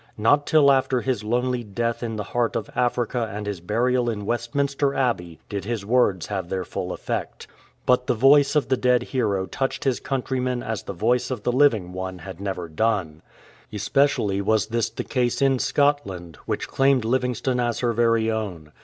Not till after his lonely death in the heart of Africa and his burial in Westminster Abbey did his words have their full effect. But the voice of the dead hero touched his countrymen as the voice of the living one had never done. Especially was this the case in Scotland, which claimed Livingstone as her very own.